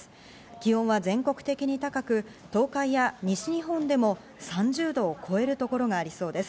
気温は全国的に高く東海や西日本でも３０度を超える所がありそうです。